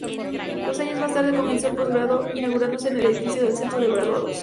Dos años más tarde comenzó el postgrado, inaugurándose el edificio del Centro de Graduados.